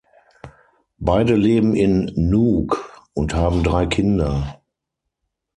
Beide leben in Nuuk und haben drei Kinder.